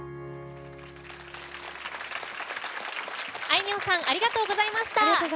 あいみょんさんありがとうございました。